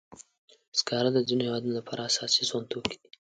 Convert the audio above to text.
سکاره د ځینو هېوادونو لپاره اساسي سون توکي دي.